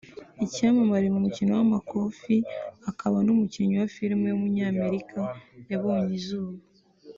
icyamamare mu mukino w’iteramakofi akaba n’umukinnyi wa filime w’umunyamerika yabonye izuba